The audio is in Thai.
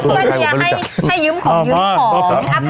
เพื่อที่จะให้ยืมของยืมของ